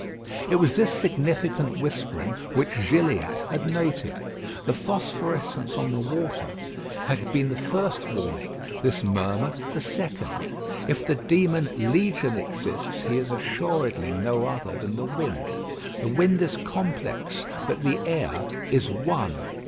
It was this significant whispering which Gilliatt had noted. The phosphorescence on the water had been the first warning: this murmur the second. If the demon Legion exists, he is assuredly no other than the wind. The wind is complex, but the air is one.